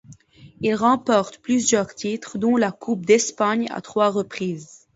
Il remporte plusieurs titres dont la Coupe d'Espagne à trois reprises.